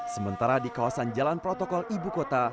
sementara di kawasan jalan protokol ibu kota